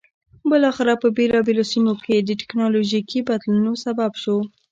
بالاخره په بېلابېلو سیمو کې د ټکنالوژیکي بدلونونو سبب شو.